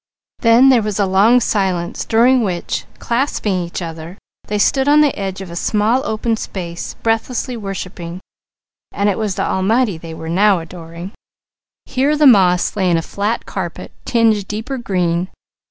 Then there was a long silence during which they stood on the edge of a small open space breathlessly worshipping, but it was the Almighty they were now adoring. Here the moss lay in a flat carpet, tinted deeper green.